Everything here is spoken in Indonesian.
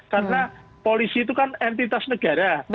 karena polisi itu kan entitas negara